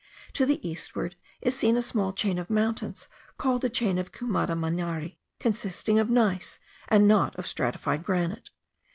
To the eastward is seen a small chain of mountains called the chain of Cumadaminari, consisting of gneiss, and not of stratified granite.